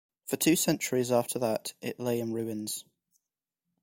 For two centuries after that it lay in ruins.